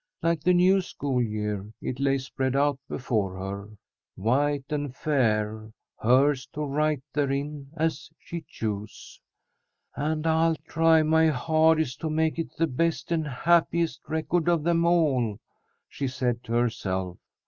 Like the new school year, it lay spread out before her, white and fair, hers to write therein as she chose. "And I'll try my hardest to make it the best and happiest record of them all," she said to herself.